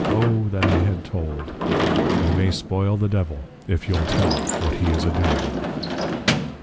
O that I had told._ You may spoil the Devil, if you'l Tell what he is a doing of.